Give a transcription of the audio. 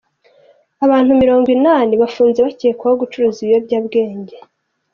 Abantu Mirongo inani bafunze bakekwaho gucuruza ibiyobyabwenge